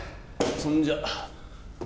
そんじゃ。